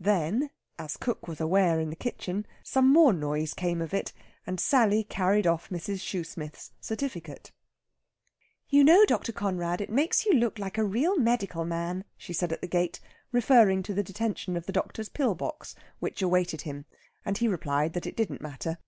Then, as Cook was aware in the kitchen, some more noise came of it, and Sally carried off Mrs. Shoosmith's certificate. "You know, Dr. Conrad, it makes you look like a real medical man," she said at the gate, referring to the detention of the doctor's pill box, which awaited him, and he replied that it didn't matter.